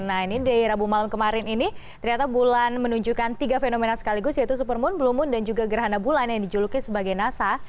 nah ini dari rabu malam kemarin ini ternyata bulan menunjukkan tiga fenomena sekaligus yaitu supermoon blue moon dan juga gerhana bulan yang dijuluki sebagai nasa